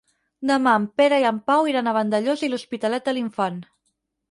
Demà en Pere i en Pau iran a Vandellòs i l'Hospitalet de l'Infant.